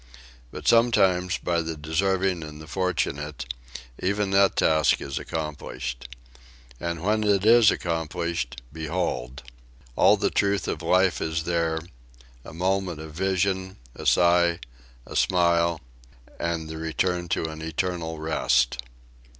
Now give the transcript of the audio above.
But sometimes, by the deserving and the fortunate, even that task is accomplished. And when it is accomplished behold! all the truth of life is there: a moment of vision, a sigh, a smile and the return to an eternal rest.